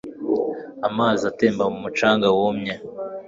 amazi atemba mu mucanga wumye